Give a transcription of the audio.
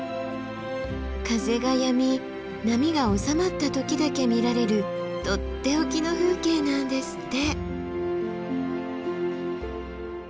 風がやみ波が収まった時だけ見られるとっておきの風景なんですって。